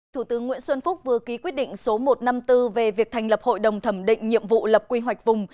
thủ tướng nguyễn xuân phúc vừa ký quyết định số một trăm năm mươi bốn về việc thành lập hội đồng thẩm định nhiệm vụ lập quy hoạch vùng